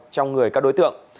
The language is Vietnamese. trong người các đối tượng